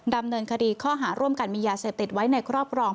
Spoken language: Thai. ดำเนินคดีข้อหาร่วมกันมียาเสพติดไว้ในครอบครอง